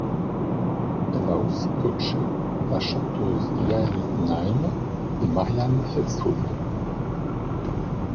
Elle a aussi coaché la chanteuse Yael Naim et Marianne Faithfull.